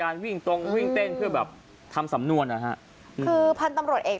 วิ่งตรงวิ่งเต้นเพื่อแบบทำสำนวนนะฮะคือพันธุ์ตำรวจเอก